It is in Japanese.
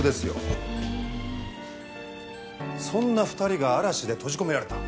そんな２人が嵐で閉じ込められた。